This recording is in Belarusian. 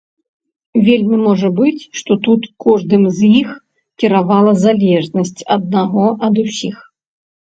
Вельмі можа быць, што тут кожным з іх кіравала залежнасць аднаго ад усіх.